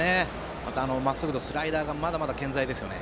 また、まっすぐとスライダーがまだまだ健在ですよね。